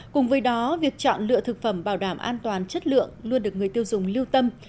cùng với đó việc chọn lựa thực phẩm bảo đảm an toàn chất lượng luôn được người tiêu dùng lưu tâm